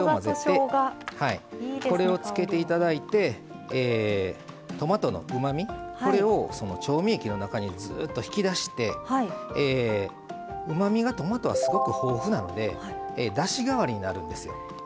これをつけていただいてトマトのうまみを調味液の中にずっと引き出してうまみがトマトはすごく豊富なのでだしがわりになるんですよ。